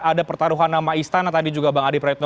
ada pertarungan nama istana tadi juga bang adi pratno